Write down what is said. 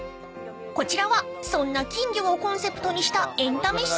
［こちらはそんな金魚をコンセプトにしたエンタメ施設］